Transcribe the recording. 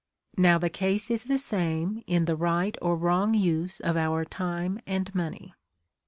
Now, the case is the same in the right or wrong use of our time and money.